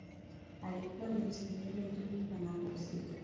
Alikuwa ni msikilizaji mzuri panapohusika